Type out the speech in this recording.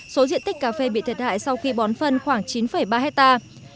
số diện tích cà phê bị thiệt hại sau khi bón phân khoảng chín ba hectare